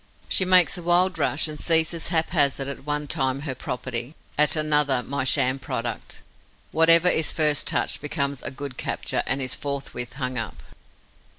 She makes a wild rush and seizes haphazard at one time her property, at another my sham product. Whatever is first touched becomes a good capture and is forthwith hung up.